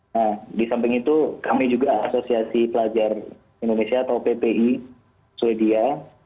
nah di samping itu kami juga asosiasi pelajar indonesia atau ppi sweden